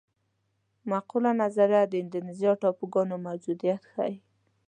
معقوله نظریه د اندونیزیا ټاپوګانو موجودیت ښيي.